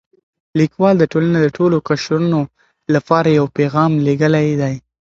لیکوال د ټولنې د ټولو قشرونو لپاره یو پیغام لېږلی دی.